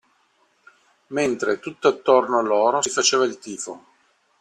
Mentre tutt'attorno a loro si faceva il tifo.